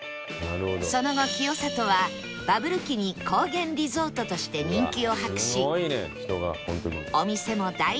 その後清里はバブル期に高原リゾートとして人気を博しお店も大人気に